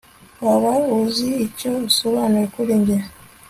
waba uzi icyo usobanura kuri njye